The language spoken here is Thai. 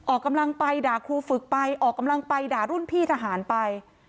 ออกกำลังไปด่าครูฝึกไปออกกำลังไปด่ารุ่นพี่ทหารไป